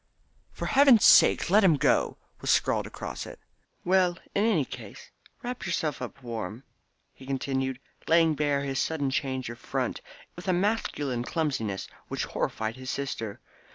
"For Heaven's sake let him go!" was scrawled across it. "Well, in any case, wrap yourself up warm," he continued, laying bare his sudden change of front with a masculine clumsiness which horrified his sister.